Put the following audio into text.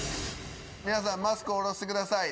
皆さんマスクを下ろしてください。